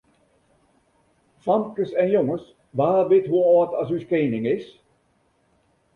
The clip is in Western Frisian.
Famkes en jonges, wa wit hoe âld as ús kening is?